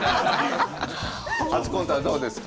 初コントはどうですか？